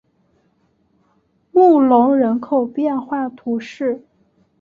穆龙人口变化图示